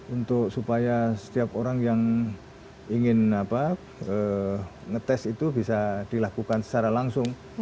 untuk supaya setiap orang yang ingin ngetes itu bisa dilakukan secara langsung